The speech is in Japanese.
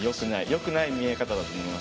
よくない見え方だと思います。